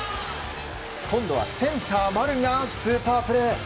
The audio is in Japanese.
今度はセンターの丸がスーパープレー！